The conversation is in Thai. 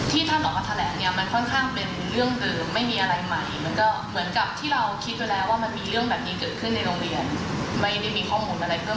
ที่ท่านบอกว่าแทรกเนี้ยมันค่อนข้างเป็นเรื่องเดิมไม่มีอะไรใหม่